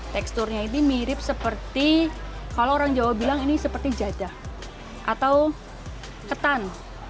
teksturnya ini mirip seperti kalau orang jawa bilang ini seperti jadah atau ketan